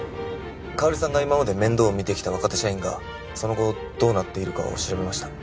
香織さんが今まで面倒を見てきた若手社員がその後どうなっているかを調べました。